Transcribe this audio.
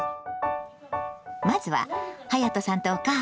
まずははやとさんとお母さん。